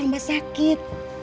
aku tambah sakit